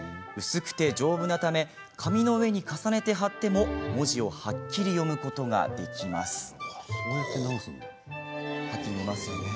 薄くて丈夫なため紙の上に重ねて貼っても文字をはっきり読むことができます。